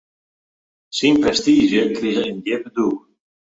Syn prestiizje krige in djippe dûk.